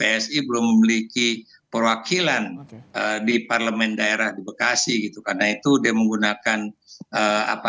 psi belum memiliki perwakilan di parlemen daerah di bekasi gitu karena itu dia menggunakan apa